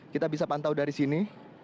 kita bisa pantau dari sini